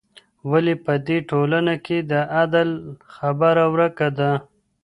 ولي په دې ټولنه کي د عدل خبره ورکه ده؟